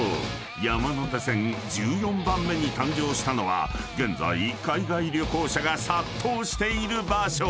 山手線１４番目に誕生したのは現在海外旅行者が殺到している場所］